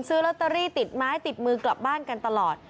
ซื้อลอตเตอรี่ติดไม้ติดมือกลับบ้านกันตลอด